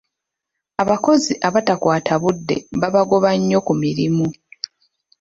Abakozi abatakwata budde babagoba nnyo ku mirimu.